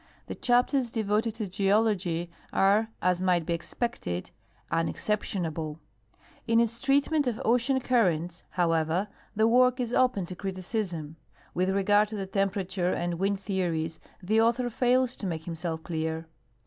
The chapters devoted to geology are, as might be e.xpected, unexceiJtionable. In its treatment of ocean currents,. GEO GRAPHIC LI TER A TURE 41 however, the work is open to criticism. With regard to the temperature and wind theories the author fails to make himself clear.